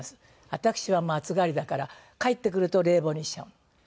私はもう暑がりだから帰ってくると冷房にしちゃうの。